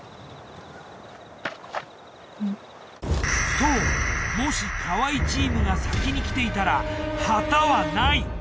そうもし河合チームが先に来ていたら旗はない。